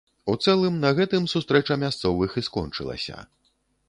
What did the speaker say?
У цэлым на гэтым сустрэча мясцовых і скончылася.